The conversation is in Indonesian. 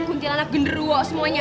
guncil anak genderuwo semuanya